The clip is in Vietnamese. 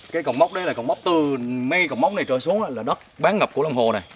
cái cổng móc đấy là cổng móc từ mây cổng móc này trở xuống là đất bán ngập của lâm hồ này